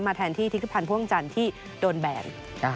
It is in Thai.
แทนที่ทิศพันธ์พ่วงจันทร์ที่โดนแบน